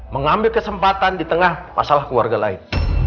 mengambil kesempatan di tengah masalah keluarga lain